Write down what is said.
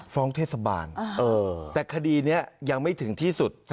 ฟ้องเทศบาลแต่คดีนี้ยังไม่ถึงที่สุด